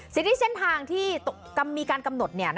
ที่เส้นทางที่มีการกำหนด